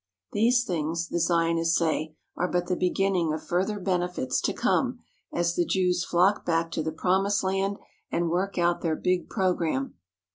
These things, the Zion ists say, are but the beginning of further benefits to come as the Jews flock back to the Promised Land and work out their big programme.